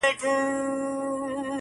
باڼه به مي په نيمه شپه و لار ته ور وړم!!